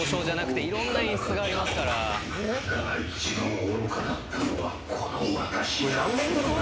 だが一番愚かだったのはこの私だ。